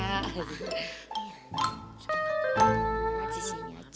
masih sini aja